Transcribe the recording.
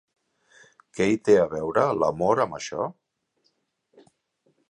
Què hi té a veure, l'amor amb això?